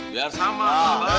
biar sama mbah